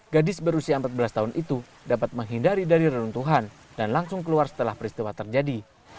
gadis berusia empat belas tahun itu dapat menghindari dari reruntuhan dan langsung keluar setelah peristiwa terjadi